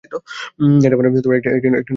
এটা আমার জন্য একটি নতুন জীবনের শুরু ছিল।